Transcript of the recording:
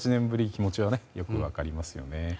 気持ちはよく分かりますよね。